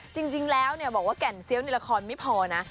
จริงแล้วเนี่ยบอกว่ากันแซวนิดละครไม่พอนะ